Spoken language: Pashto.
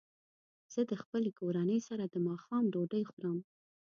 زه د خپلې کورنۍ سره د ماښام ډوډۍ خورم.